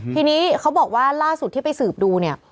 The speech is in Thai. ทีนี้เขาบอกว่าล่าสุดที่ไปสืบดูเนี่ย